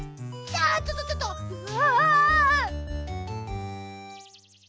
ちょっとちょっとあ！